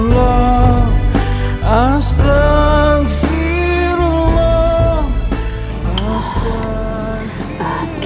ya terima kasih neng